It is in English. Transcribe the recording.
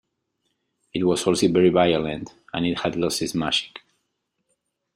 It was also very violent and it had lost its magic.